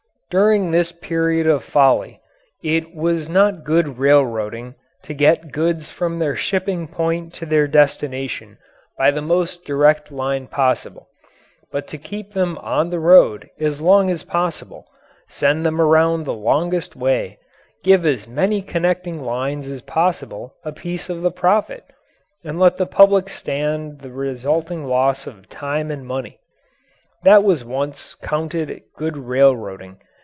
During this period of folly, it was not good railroading to get goods from their shipping point to their destination by the most direct line possible, but to keep them on the road as long as possible, send them around the longest way, give as many connecting lines as possible a piece of the profit, and let the public stand the resulting loss of time and money. That was once counted good railroading.